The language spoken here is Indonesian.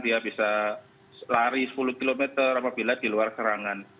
dia bisa lari sepuluh km apabila di luar serangan